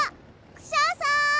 クシャさん！